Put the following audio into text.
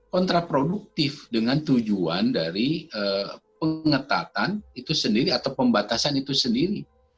kontraproduktif dengan tujuan dari pengetatan itu sendiri atau pembatasan itu sendiri